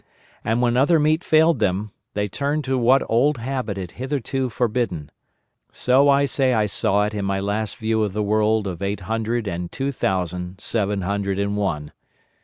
And when other meat failed them, they turned to what old habit had hitherto forbidden. So I say I saw it in my last view of the world of Eight Hundred and Two Thousand Seven Hundred and One.